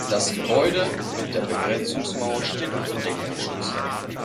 Das Gebäude mit der Begrenzungsmauer steht unter Denkmalschutz.